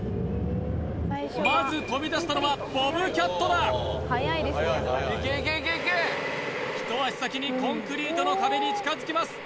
まず飛び出したのはボブキャットだひと足先にコンクリートの壁に近づきます